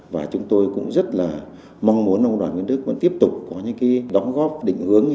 và chúng tôi cũng rất là mong muốn ông đoàn nguyên đức vẫn tiếp tục có những cái đóng góp định hướng